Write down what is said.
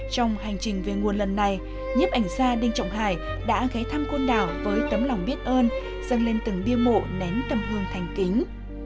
trong hành trình về nguồn lần này nhiếp ảnh gia đinh trọng hải đã ghé thăm con đảo với tấm lòng biết ơn dâng lên từng bia mộ nén tâm hương thành kính